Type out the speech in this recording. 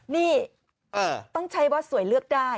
นี่ต้องใช้ว่าสวยเลือกได้